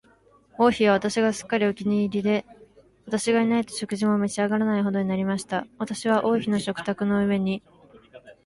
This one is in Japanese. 王妃は私がすっかりお気に入りで、私がいないと食事も召し上らないほどになりました。私は王妃の食卓の上に、